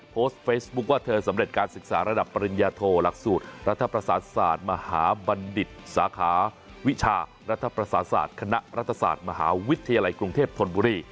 โพสต์เฟซบุ๊คว่าเธอสำเร็จการศึกษาระดับปริญญาโทหลักสูตรรัฐประสาทศาสตร์มหาบัณฑิตสาขาวิชารัฐประสาศาสตร์คณะรัฐศาสตร์มหาวิทยาลัยกรุงเทพธนบุรี